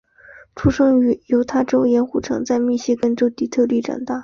出生于犹他州盐湖城在密歇根州底特律长大。